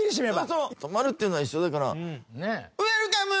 泊まるっていうのは一緒だから。